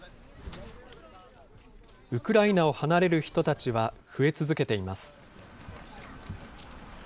ウクライナを離れる人たちは増え続けています。